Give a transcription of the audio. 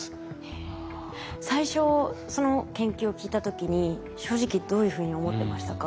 最初その研究を聞いた時に正直どういうふうに思ってましたか？